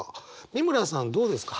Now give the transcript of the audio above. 美村さんどうですか？